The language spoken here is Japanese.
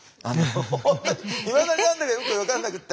本当にいまだに何だかよく分かんなくって。